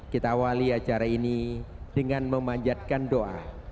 kita awali acara ini dengan memanjatkan doa